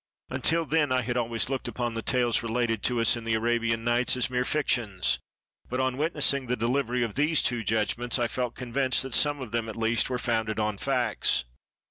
Until then I had always looked upon the tales related to us in the "Arabian Nights" as mere fictions; but on witnessing the delivery of these two judgments, I felt convinced that some of them at least were founded on facts.